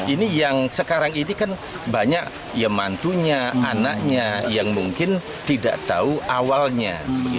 ini yang sekarang ini kan banyak ya mantunya anaknya yang mungkin tidak tahu awalnya